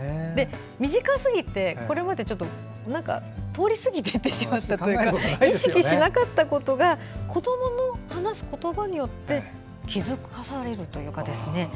身近すぎて、これまで通り過ぎていってしまった分野というか意識しなかったことに子どもの話す言葉によって気付かされるというかですね。